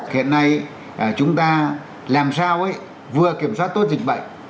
hiện nay chúng ta làm sao vừa kiểm soát tốt dịch bệnh